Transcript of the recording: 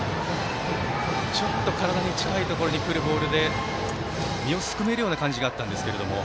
ちょっと体の近いところにくるボールで身をすくめるような感じがあったんですけれども。